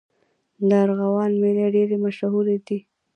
د ارغوان میلې ډېرې مشهورې دي.